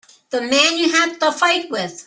The man you had the fight with.